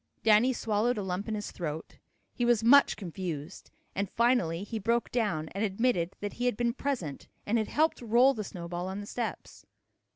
Danny swallowed a lump in his throat. He was much confused, and finally he broke down and admitted that he had been present and had helped roll the snowball on the steps.